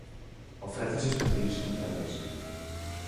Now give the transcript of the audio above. ofrécese especialista en francés.